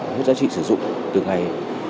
hết giá trị sử dụng từ ngày